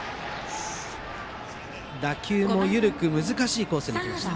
打球も緩く、難しいコースへ行きました。